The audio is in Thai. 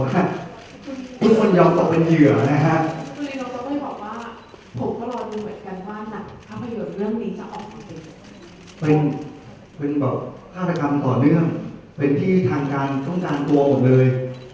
เขาบอกว่าเขาก็เป็นหัวแผ่นครับเพราะว่าเขาพลิกคาแทรกเตอร์ไปเลย